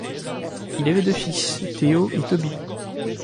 Il avait deux fils, Theo et Toby.